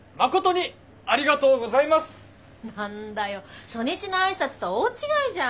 何だよ初日の挨拶とは大違いじゃん。